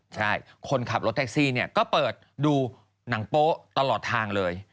ใช่คนขับรถแท็กซี่เนี่ยก็เปิดดูหนังโป๊ะตลอดทางเลย